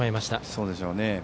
そうでしょうね。